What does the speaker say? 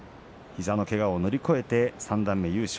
膝のけがを乗り越えて三段目優勝。